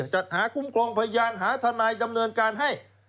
จัดหาคุ้มครองพยานหาทนายดำเนินการให้